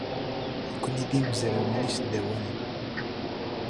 Nekkni d imezrawen isdawanen.